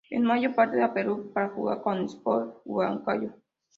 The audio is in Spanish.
En mayo parte a Perú para jugar con el Sport Huancayo.